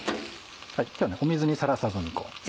今日はね水にさらさずにこう。